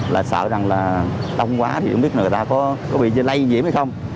là sợ rằng là đông quá thì không biết người ta có bị lây nhiễm hay không